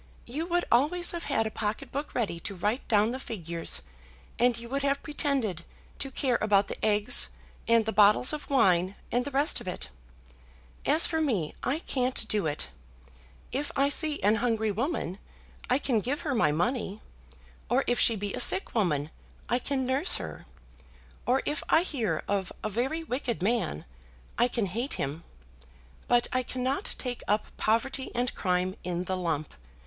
"You would always have had a pocket book ready to write down the figures, and you would have pretended to care about the eggs, and the bottles of wine, and the rest of it. As for me, I can't do it. If I see an hungry woman, I can give her my money; or if she be a sick woman, I can nurse her; or if I hear of a very wicked man, I can hate him; but I cannot take up poverty and crime in the lump.